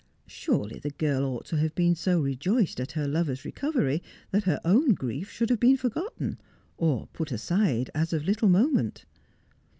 Surely the girl ought to have been so rejoiced at her lover's recovery, that her own grief should have been forgotten, or put aside as of little moment.